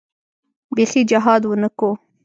بيخي جهاد ونه کو.